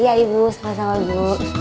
iya ibu sama sama ibu